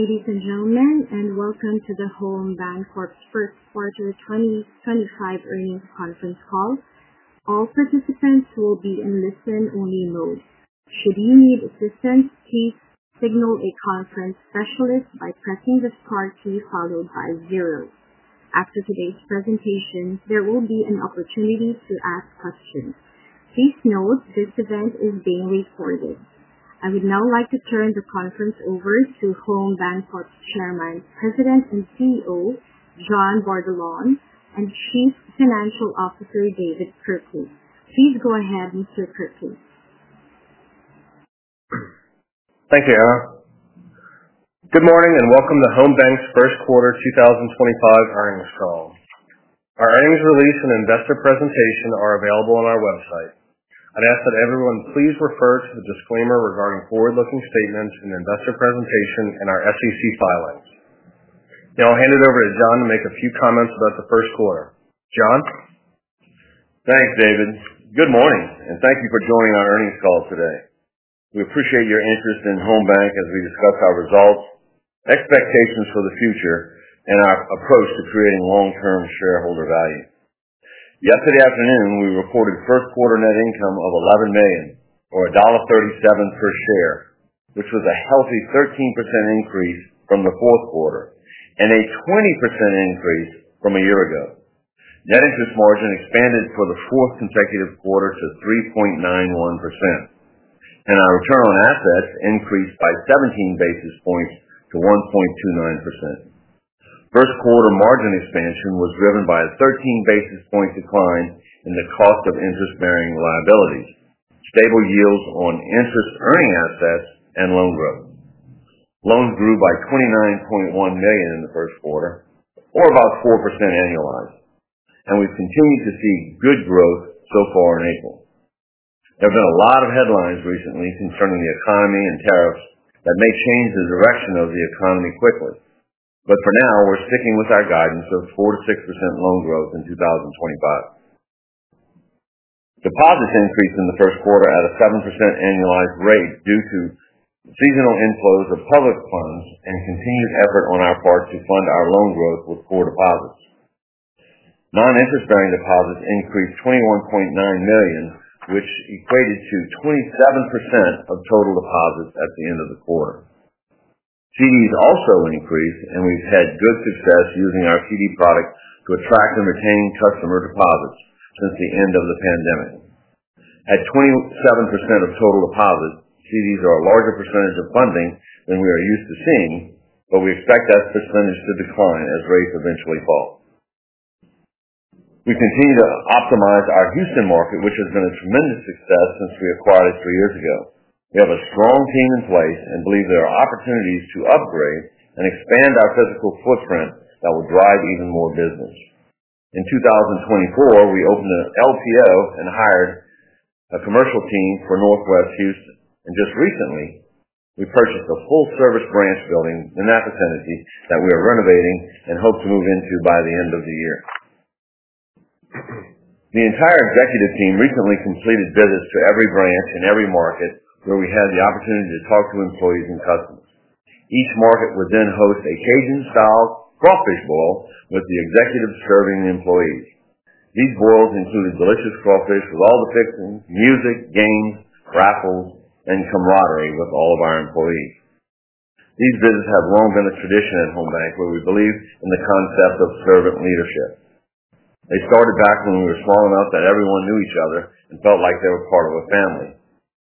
Greetings, ladies and gentlemen, and welcome to the Home Bancorp's first quarter 2025 earnings conference call. All participants will be in listen-only mode. Should you need assistance, please signal a conference specialist by pressing the star key followed by zero. After today's presentation, there will be an opportunity to ask questions. Please note this event is being recorded. I would now like to turn the conference over to Home Bancorp's Chairman, President and CEO, John Bordelon, and Chief Financial Officer, David Kirkley. Please go ahead, Mr. Kirkley. Thank you, Anna. Good morning and welcome to Home Bank's first quarter 2025 earnings call. Our earnings release and investor presentation are available on our website. I'd ask that everyone please refer to the disclaimer regarding forward-looking statements and investor presentation in our SEC filings. Now I'll hand it over to John to make a few comments about the first quarter. John? Thanks, David. Good morning and thank you for joining our earnings call today. We appreciate your interest in Home Bank as we discuss our results, expectations for the future, and our approach to creating long-term shareholder value. Yesterday afternoon, we reported first quarter net income of $11 million, or $1.37 per share, which was a healthy 13% increase from the fourth quarter and a 20% increase from a year ago. Net interest margin expanded for the fourth consecutive quarter to 3.91%, and our return on assets increased by 17 basis points to 1.29%. First quarter margin expansion was driven by a 13 basis point decline in the cost of interest-bearing liabilities, stable yields on interest-earning assets, and loan growth. Loans grew by $29.1 million in the first quarter, or about 4% annualized, and we've continued to see good growth so far in April. There have been a lot of headlines recently concerning the economy and tariffs that may change the direction of the economy quickly, but for now, we're sticking with our guidance of 4%-6% loan growth in 2025. Deposits increased in the first quarter at a 7% annualized rate due to seasonal inflows of public funds and continued effort on our part to fund our loan growth with core deposits. Non-interest-bearing deposits increased $21.9 million, which equated to 27% of total deposits at the end of the quarter. CDs also increased, and we've had good success using our CD product to attract and retain customer deposits since the end of the pandemic. At 27% of total deposits, CDs are a larger percentage of funding than we are used to seeing, but we expect that percentage to decline as rates eventually fall. We continue to optimize our Houston market, which has been a tremendous success since we acquired it three years ago. We have a strong team in place and believe there are opportunities to upgrade and expand our physical footprint that will drive even more business. In 2024, we opened an LPO and hired a commercial team for Northwest Houston, and just recently, we purchased a full-service branch building in that vicinity that we are renovating and hope to move into by the end of the year. The entire executive team recently completed visits to every branch in every market where we had the opportunity to talk to employees and customers. Each market would then host a Cajun-style crawfish boil with the executives serving the employees. These boils included delicious crawfish with all the fixings, music, games, raffles, and camaraderie with all of our employees. These visits have long been a tradition at Home Bank, where we believe in the concept of servant leadership. They started back when we were small enough that everyone knew each other and felt like they were part of a family.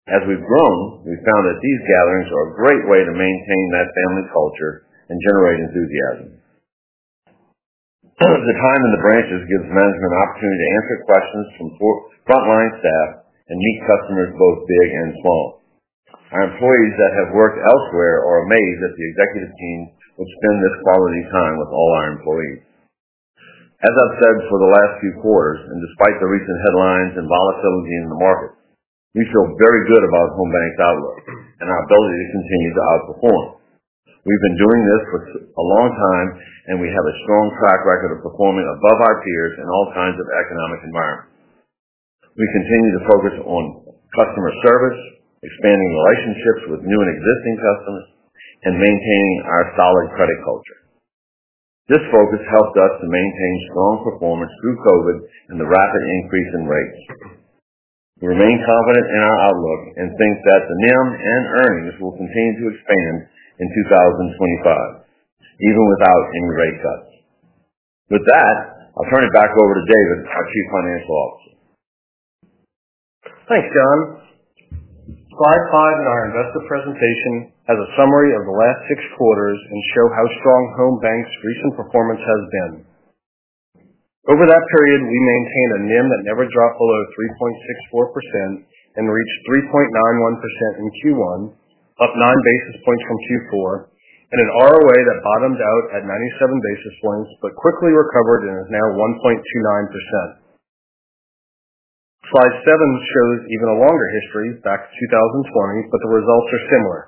As we've grown, we've found that these gatherings are a great way to maintain that family culture and generate enthusiasm. The time in the branches gives management an opportunity to answer questions from frontline staff and meet customers both big and small. Our employees that have worked elsewhere are amazed that the executive team would spend this quality time with all our employees. As I've said for the last few quarters, and despite the recent headlines and volatility in the market, we feel very good about Home Bank's outlook and our ability to continue to outperform. We've been doing this for a long time, and we have a strong track record of performing above our peers in all kinds of economic environments. We continue to focus on customer service, expanding relationships with new and existing customers, and maintaining our solid credit culture. This focus helped us to maintain strong performance through COVID and the rapid increase in rates. We remain confident in our outlook and think that the NIM and earnings will continue to expand in 2025, even without any rate cuts. With that, I'll turn it back over to David, our Chief Financial Officer. Thanks, John. Slide 5 in our investor presentation has a summary of the last six quarters and shows how strong Home Bank's recent performance has been. Over that period, we maintained a NIM that never dropped below 3.64% and reached 3.91% in Q1, up 9 basis points from Q4, and an ROA that bottomed out at 97 basis points but quickly recovered and is now 1.29%. Slide 7 shows even a longer history, back to 2020, but the results are similar.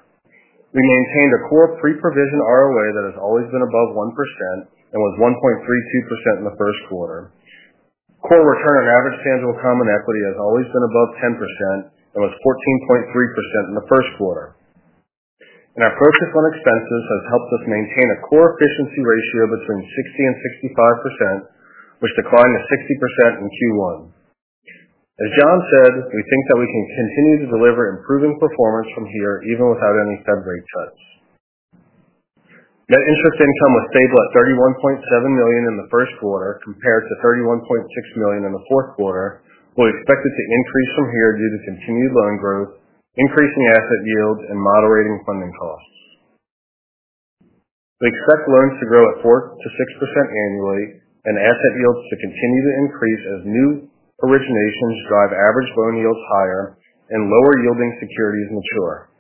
We maintained a core pre-provision ROA that has always been above 1% and was 1.32% in the first quarter. Core return on average tangible common equity has always been above 10% and was 14.3% in the first quarter. Our focus on expenses has helped us maintain a core efficiency ratio between 60% and 65%, which declined to 60% in Q1. As John said, we think that we can continue to deliver improving performance from here even without any Fed rate cuts. Net interest income was stable at $31.7 million in the first quarter compared to $31.6 million in the fourth quarter. We expect it to increase from here due to continued loan growth, increasing asset yield, and moderating funding costs. We expect loans to grow at 4%-6% annually and asset yields to continue to increase as new originations drive average loan yields higher and lower yielding securities mature.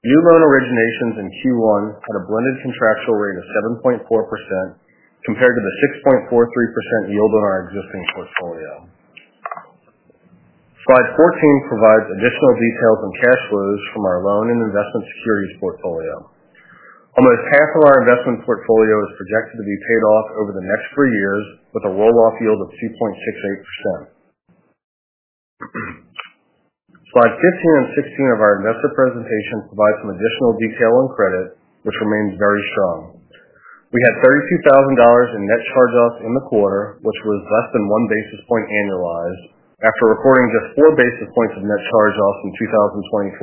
New loan originations in Q1 had a blended contractual rate of 7.4% compared to the 6.43% yield on our existing portfolio. Slide 14 provides additional details on cash flows from our loan and investment securities portfolio. Almost half of our investment portfolio is projected to be paid off over the next three years with a roll-off yield of 2.68%. Slide 15 and 16 of our investor presentation provide some additional detail on credit, which remains very strong. We had $32,000 in net charge-offs in the quarter, which was less than one basis point annualized after recording just four basis points of net charge-offs in 2024.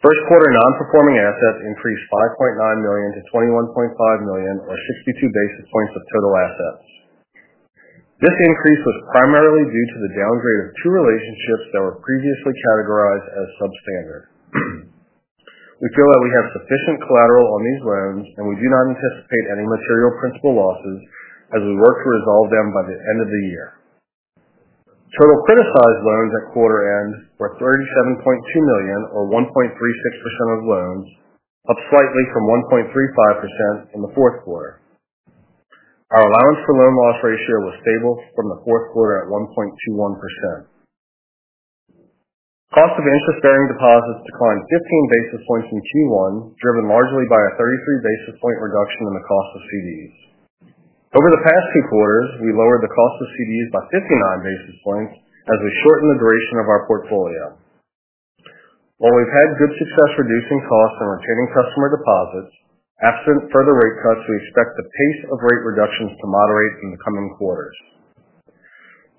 First quarter non-performing assets increased $5.9 million to $21.5 million, or 62 basis points of total assets. This increase was primarily due to the downgrade of two relationships that were previously categorized as substandard. We feel that we have sufficient collateral on these loans, and we do not anticipate any material principal losses as we work to resolve them by the end of the year. Total criticized loans at quarter end were $37.2 million, or 1.36% of loans, up slightly from 1.35% in the fourth quarter. Our allowance for loan loss ratio was stable from the fourth quarter at 1.21%. Cost of interest-bearing deposits declined 15 basis points in Q1, driven largely by a 33 basis point reduction in the cost of CDs. Over the past two quarters, we lowered the cost of CDs by 59 basis points as we shortened the duration of our portfolio. While we've had good success reducing costs and retaining customer deposits, absent further rate cuts, we expect the pace of rate reductions to moderate in the coming quarters.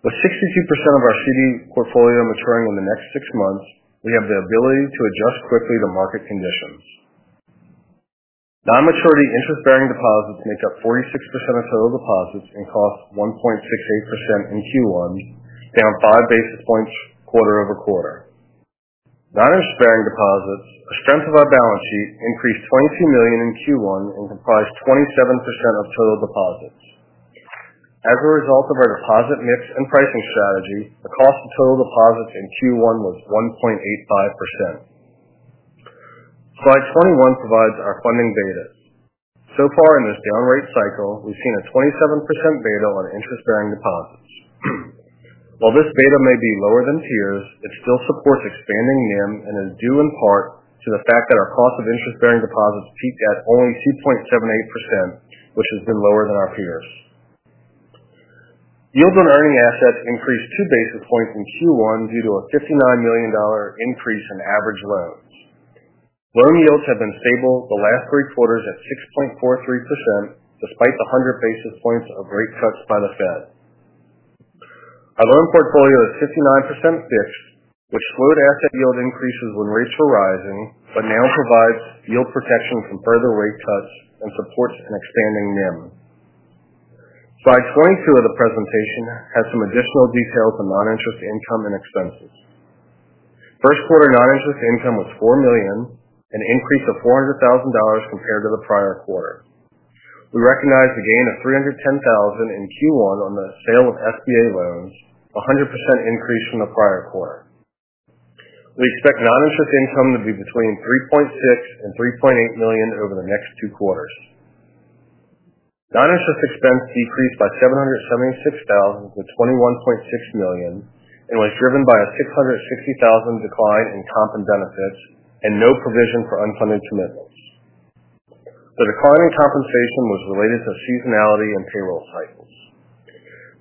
With 62% of our CD portfolio maturing in the next six months, we have the ability to adjust quickly to market conditions. Non-maturity interest-bearing deposits make up 46% of total deposits and cost 1.68% in Q1, down 5 basis points quarter over quarter. Non-interest-bearing deposits, a strength of our balance sheet, increased $22 million in Q1 and comprised 27% of total deposits. As a result of our deposit mix and pricing strategy, the cost of total deposits in Q1 was 1.85%. Slide 21 provides our funding betas. So far in this down rate cycle, we've seen a 27% beta on interest-bearing deposits. While this beta may be lower than peers, it still supports expanding NIM and is due in part to the fact that our cost of interest-bearing deposits peaked at only 2.78%, which has been lower than our peers. Yield on earning assets increased 2 basis points in Q1 due to a $59 million increase in average loans. Loan yields have been stable the last three quarters at 6.43% despite the 100 basis points of rate cuts by the Fed. Our loan portfolio is 59% fixed, which slowed asset yield increases when rates were rising, but now provides yield protection from further rate cuts and supports an expanding NIM. Slide 22 of the presentation has some additional details on noninterest income and expenses. First quarter noninterest income was $4 million, an increase of $400,000 compared to the prior quarter. We recognize the gain of $310,000 in Q1 on the sale of SBA loans, a 100% increase from the prior quarter. We expect noninterest income to be between $3.6 million-$3.8 million over the next two quarters. Noninterest expense decreased by $776,000 to $21.6 million and was driven by a $660,000 decline in comp and benefits and no provision for unfunded commitments. The decline in compensation was related to seasonality and payroll cycles.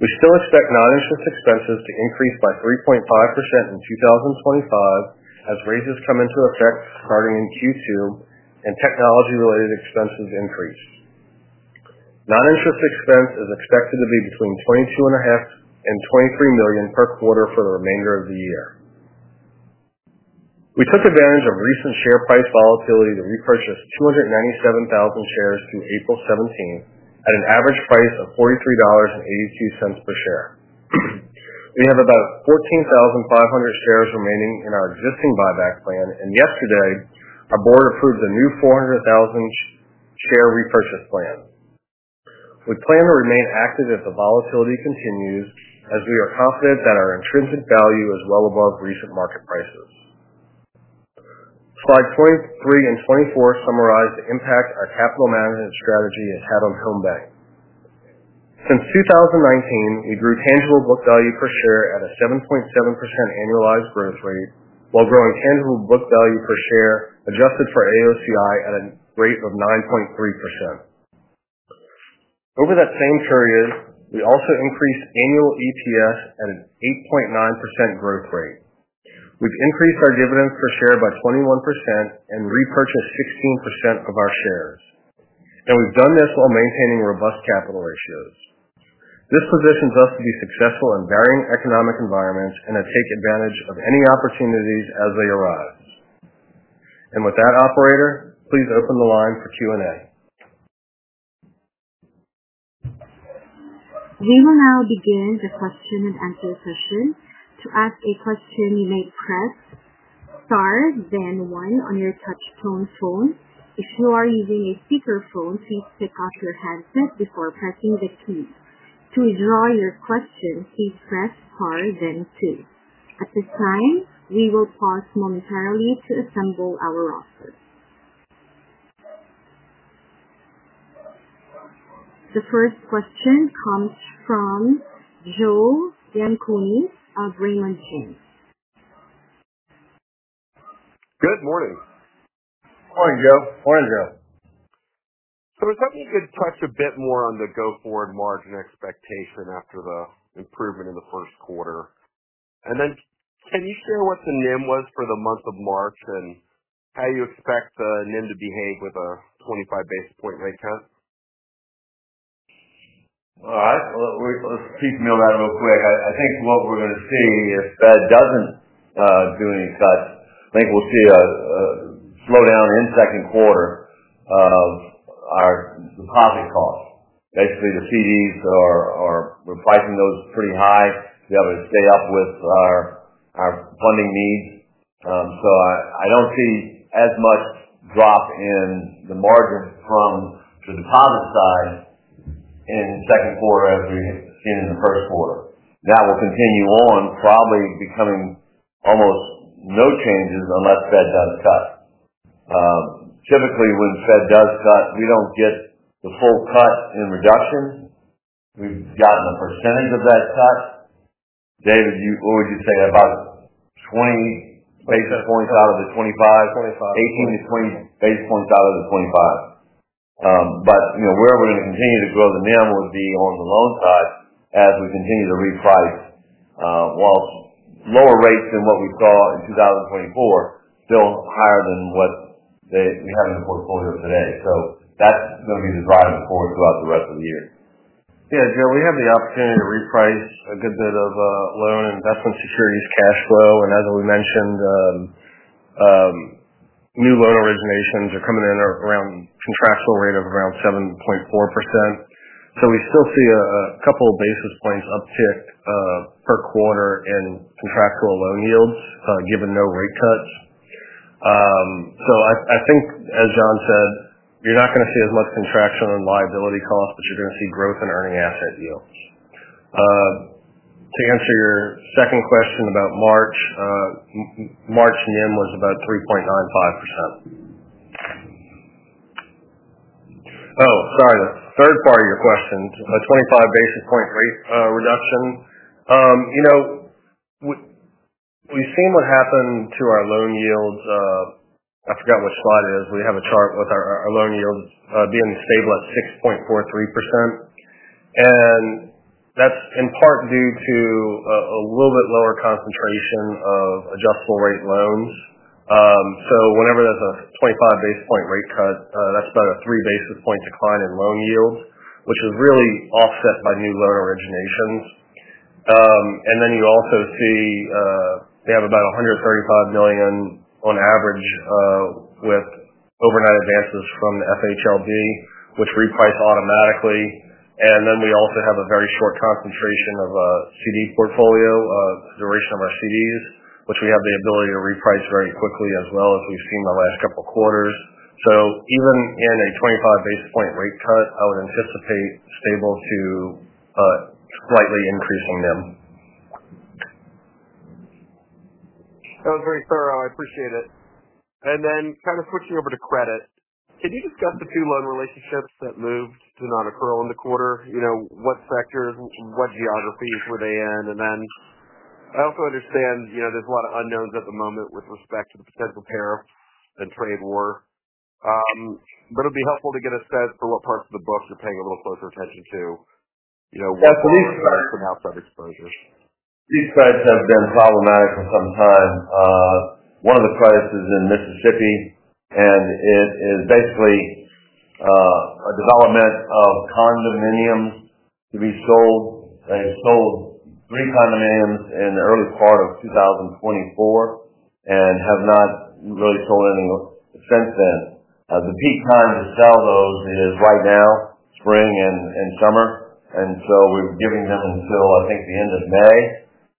We still expect noninterest expenses to increase by 3.5% in 2025 as raises come into effect starting in Q2 and technology-related expenses increase. Noninterest expense is expected to be between $22.5 million-$23 million per quarter for the remainder of the year. We took advantage of recent share price volatility to repurchase 297,000 shares through April 17 at an average price of $43.82 per share. We have about 14,500 shares remaining in our existing buyback plan, and yesterday, our board approved a new 400,000 share repurchase plan. We plan to remain active as the volatility continues as we are confident that our intrinsic value is well above recent market prices. Slide 23 and 24 summarize the impact our capital management strategy has had on Home Bank. Since 2019, we grew tangible book value per share at a 7.7% annualized growth rate, while growing tangible book value per share adjusted for AOCI at a rate of 9.3%. Over that same period, we also increased annual EPS at an 8.9% growth rate. We've increased our dividends per share by 21% and repurchased 16% of our shares, and we've done this while maintaining robust capital ratios. This positions us to be successful in varying economic environments and to take advantage of any opportunities as they arise. With that, operator, please open the line for Q&A. We will now begin the question and answer session. To ask a question, you may press star, then one on your touch-tone phone. If you are using a speakerphone, please take off your headset before pressing the keys. To withdraw your question, please press star, then two. At this time, we will pause momentarily to assemble our roster. The first question comes from Joe Yanchunis of Raymond James. Good morning. Morning, Joe. Morning, Joe. If something could touch a bit more on the go-forward margin expectation after the improvement in the first quarter. Can you share what the NIM was for the month of March and how you expect the NIM to behave with a 25 basis point rate cut? All right. Let's piecemeal that real quick. I think what we're going to see, if Fed doesn't do any cuts, I think we'll see a slowdown in the second quarter of our deposit costs. Basically, the CDs are pricing those pretty high to be able to stay up with our funding needs. I don't see as much drop in the margin from the deposit side in the second quarter as we've seen in the first quarter. That will continue on, probably becoming almost no changes unless Fed does cut. Typically, when Fed does cut, we don't get the full cut in reduction. We've gotten a percentage of that cut. David, what would you say? About 20 basis points out of the 25? 25. 18 to 20 basis points out of the 25. Where we're going to continue to grow the NIM would be on the loan side as we continue to reprice, while lower rates than what we saw in 2024, still higher than what we have in the portfolio today. That is going to be the driving force throughout the rest of the year. Yeah, Joe, we have the opportunity to reprice a good bit of loan and investment securities cash flow. As we mentioned, new loan originations are coming in around a contractual rate of around 7.4%. We still see a couple of basis points uptick per quarter in contractual loan yields given no rate cuts. I think, as John said, you're not going to see as much contraction in liability costs, but you're going to see growth in earning asset yields. To answer your second question about March, March NIM was about 3.95%. Oh, sorry, the third part of your question, a 25 basis point rate reduction. We've seen what happened to our loan yields. I forgot which slide it is. We have a chart with our loan yields being stable at 6.43%. That is in part due to a little bit lower concentration of adjustable rate loans. Whenever there's a 25 basis point rate cut, that's about a 3 basis point decline in loan yields, which is really offset by new loan originations. You also see we have about $135 million on average with overnight advances from the FHLB, which reprice automatically. We also have a very short concentration of CD portfolio, the duration of our CDs, which we have the ability to reprice very quickly as well as we've seen the last couple of quarters. Even in a 25 basis point rate cut, I would anticipate stable to slightly increasing NIM. That was very thorough. I appreciate it. Kind of switching over to credit, can you discuss the two loan relationships that moved to non-accrual in the quarter? What sectors, what geographies were they in? I also understand there's a lot of unknowns at the moment with respect to the potential tariffs and trade war. It would be helpful to get a sense for what parts of the book you're paying a little closer attention to. Yeah, so these. From outside exposures. These credits have been problematic for some time. One of the credits is in Mississippi, and it is basically a development of condominiums to be sold. They sold three condominiums in the early part of 2024 and have not really sold any since then. The peak time to sell those is right now, spring and summer. We are giving them until, I think, the end of May,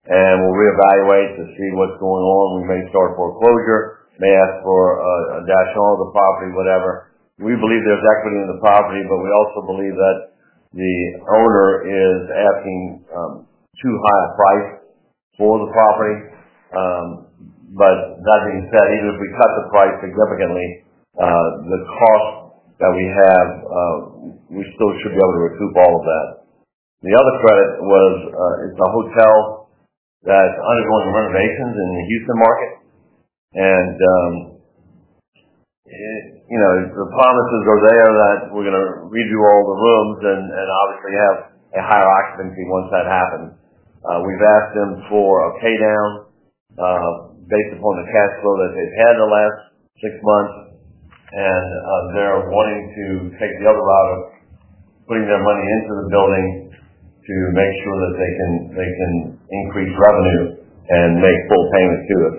and we will reevaluate to see what is going on. We may start foreclosure, may ask for a deed on the property, whatever. We believe there is equity in the property, but we also believe that the owner is asking too high a price for the property. That being said, even if we cut the price significantly, the cost that we have, we still should be able to recoup all of that. The other credit was, it's a hotel that's undergoing renovations in the Houston market. The promises are there that we're going to redo all the rooms and obviously have a higher occupancy once that happens. We've asked them for a paydown based upon the cash flow that they've had the last six months, and they're wanting to take the other route of putting their money into the building to make sure that they can increase revenue and make full payment to it.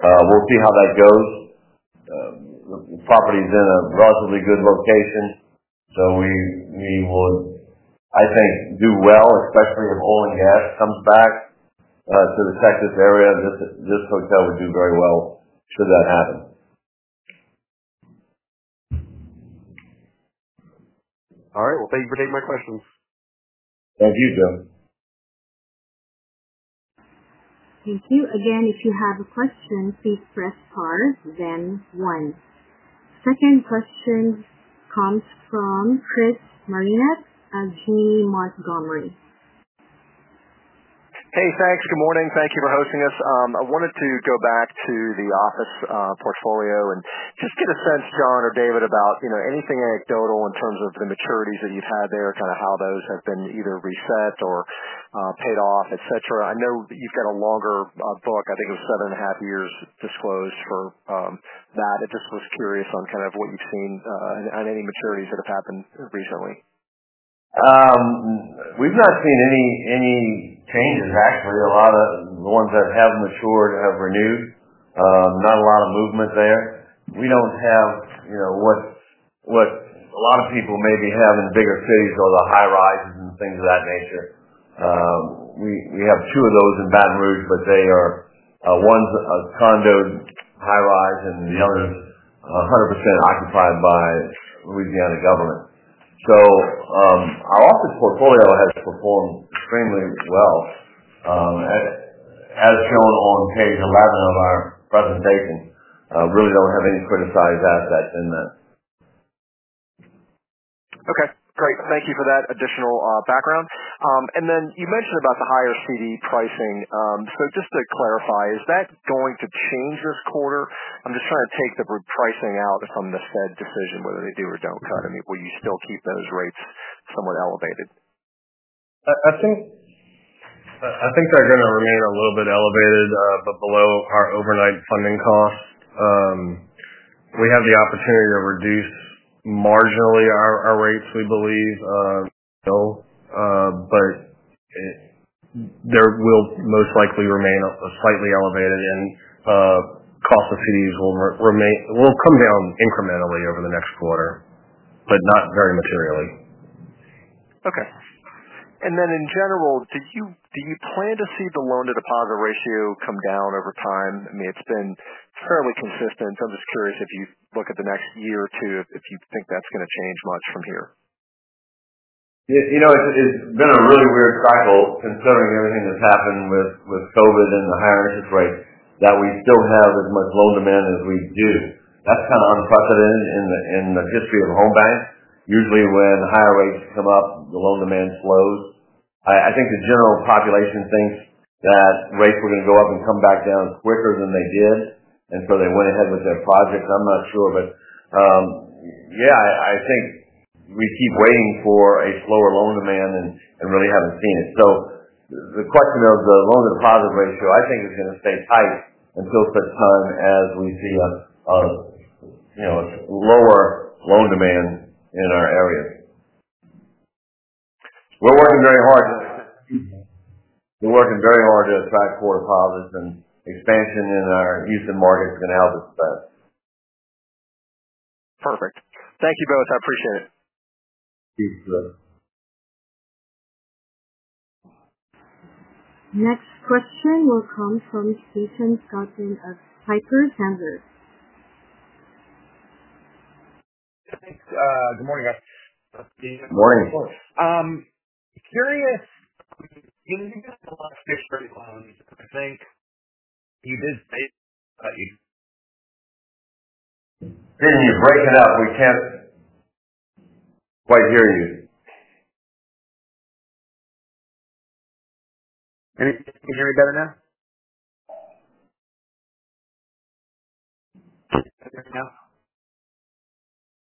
We'll see how that goes. The property is in a relatively good location, so we would, I think, do well, especially if oil and gas comes back to the Texas area. This hotel would do very well should that happen. All right. Thank you for taking my questions. Thank you, Joe. Thank you. Again, if you have a question, please press star, then one. Second question comes from Chris Marinac of Janney Montgomery. Hey, thanks. Good morning. Thank you for hosting us. I wanted to go back to the office portfolio and just get a sense, John or David, about anything anecdotal in terms of the maturities that you've had there, kind of how those have been either reset or paid off, etc. I know you've got a longer book. I think it was seven and a half years disclosed for that. I just was curious on kind of what you've seen on any maturities that have happened recently. We've not seen any changes, actually. A lot of the ones that have matured have renewed. Not a lot of movement there. We don't have what a lot of people maybe have in bigger cities or the high rises and things of that nature. We have two of those in Baton Rouge, but one's a condo high rise, and the other's 100% occupied by Louisiana government. Our office portfolio has performed extremely well, as shown on page 11 of our presentation. Really don't have any criticized assets in there. Great. Thank you for that additional background. You mentioned about the higher CD pricing. Just to clarify, is that going to change this quarter? I'm just trying to take the pricing out from the Fed decision, whether they do or don't cut. I mean, will you still keep those rates somewhat elevated? I think they're going to remain a little bit elevated, but below our overnight funding costs. We have the opportunity to reduce marginally our rates, we believe, but they will most likely remain slightly elevated, and cost of CDs will come down incrementally over the next quarter, but not very materially. Okay. In general, do you plan to see the loan-to-deposit ratio come down over time? I mean, it's been fairly consistent. I'm just curious if you look at the next year or two, if you think that's going to change much from here. It's been a really weird cycle considering everything that's happened with COVID and the higher interest rates that we still have as much loan demand as we do. That's kind of unprecedented in the history of Home Bank. Usually, when higher rates come up, the loan demand slows. I think the general population thinks that rates were going to go up and come back down quicker than they did, and so they went ahead with their projects. I'm not sure, but yeah, I think we keep waiting for a slower loan demand and really haven't seen it. The question of the loan-to-deposit ratio, I think, is going to stay tight until such time as we see a lower loan demand in our area. We're working very hard to attract core deposits, and expansion in our Houston market is going to help us with that. Perfect. Thank you both. I appreciate it. You too. Next question will come from Stephen Scouten of Piper Sandler. Good morning, guys. Morning. Curious, can you give us a lot of history of loans? I think you did say that you. Can you break it up? We can't quite hear you. Can you hear me better now?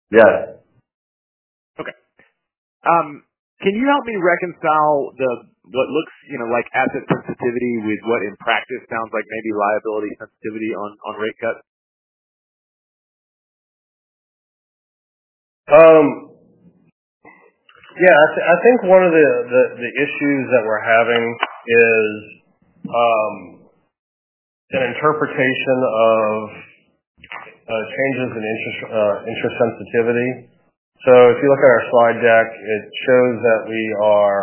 Yes. Okay. Can you help me reconcile what looks like asset sensitivity with what in practice sounds like maybe liability sensitivity on rate cuts? Yeah. I think one of the issues that we're having is an interpretation of changes in interest sensitivity. If you look at our slide deck, it shows that we are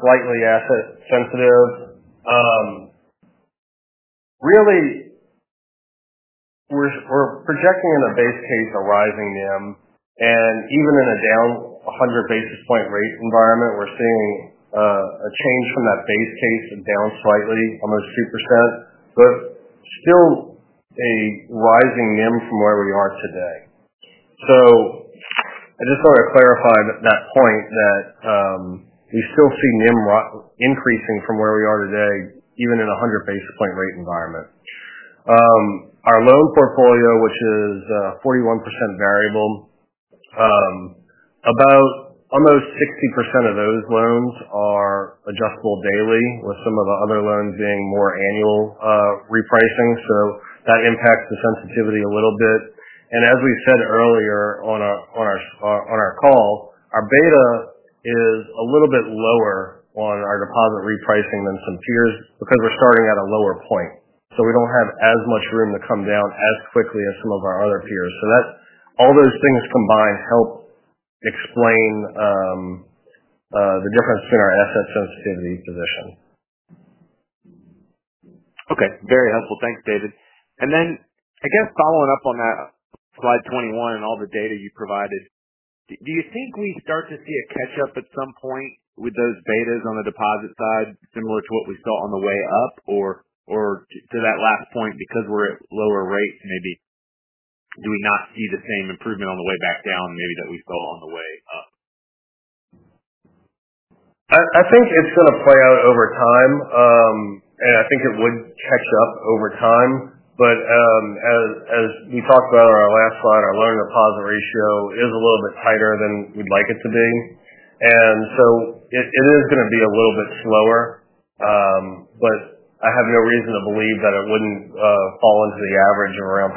slightly asset sensitive. Really, we're projecting in a base case a rising NIM, and even in a down 100 basis point rate environment, we're seeing a change from that base case and down slightly, almost 2%, but still a rising NIM from where we are today. I just want to clarify that point that we still see NIM increasing from where we are today, even in a 100 basis point rate environment. Our loan portfolio, which is 41% variable, about almost 60% of those loans are adjustable daily, with some of the other loans being more annual repricing. That impacts the sensitivity a little bit. As we said earlier on our call, our beta is a little bit lower on our deposit repricing than some peers because we're starting at a lower point. We don't have as much room to come down as quickly as some of our other peers. All those things combined help explain the difference between our asset sensitivity position. Okay. Very helpful. Thanks, David. I guess following up on that slide 21 and all the data you provided, do you think we start to see a catch-up at some point with those betas on the deposit side, similar to what we saw on the way up? Or to that last point, because we're at lower rates, maybe do we not see the same improvement on the way back down maybe that we saw on the way up? I think it's going to play out over time, and I think it would catch up over time. As we talked about on our last slide, our loan-to-deposit ratio is a little bit tighter than we'd like it to be. It is going to be a little bit slower, but I have no reason to believe that it wouldn't fall into the average of around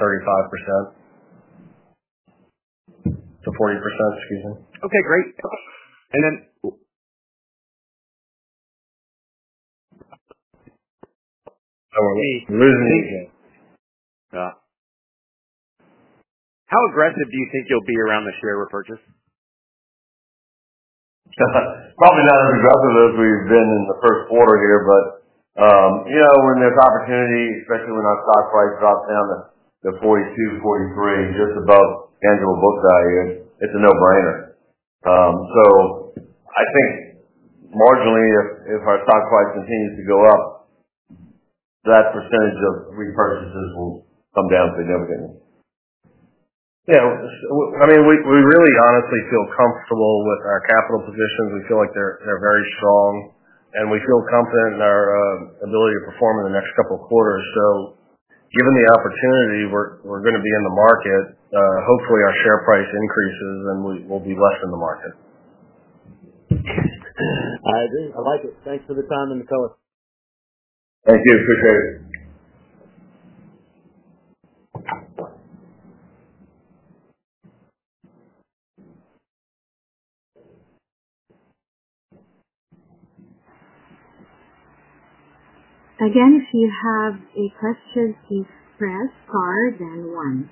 35%-40%, excuse me. Okay. Great. Then. Oh, we're losing it again. How aggressive do you think you'll be around the share repurchase? Probably not as aggressive as we've been in the first quarter here, but when there's opportunity, especially when our stock price drops down to $42, $43, just above annual book value, it's a no-brainer. I think marginally, if our stock price continues to go up, that percentage of repurchases will come down significantly. Yeah. I mean, we really honestly feel comfortable with our capital positions. We feel like they're very strong, and we feel confident in our ability to perform in the next couple of quarters. Given the opportunity, we're going to be in the market. Hopefully, our share price increases, and we'll be less in the market. I agree. I like it. Thanks for the time, and tell us. Thank you. Appreciate it. Again, if you have a question, please press star, then one.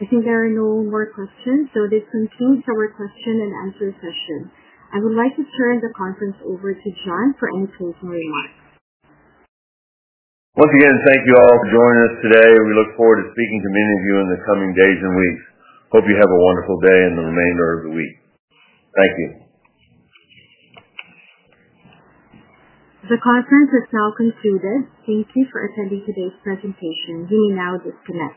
I think there are no more questions, so this concludes our question and answer session. I would like to turn the conference over to John for any closing remarks. Once again, thank you all for joining us today. We look forward to speaking to many of you in the coming days and weeks. Hope you have a wonderful day and the remainder of the week. Thank you. The conference is now concluded. Thank you for attending today's presentation. You may now disconnect.